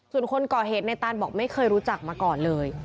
ส่วนคนก่อเหตุในตานบอกไม่เคยรู้จักมาก่อนเลย